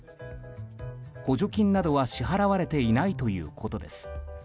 補助金などは支払われていないということです。